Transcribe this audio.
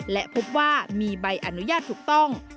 และพบว่ามีใบอนุญาตถูกต้อง